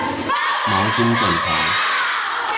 毛巾枕頭